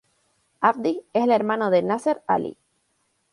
Abdi es el hermano de Nasser Ali.